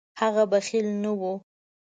هغه بخیل نه و.